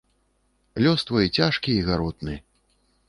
Лёс твой цяжкі і гаротны!